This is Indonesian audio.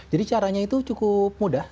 caranya itu cukup mudah